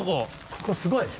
ここすごい。